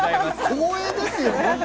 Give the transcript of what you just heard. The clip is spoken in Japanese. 光栄ですよ。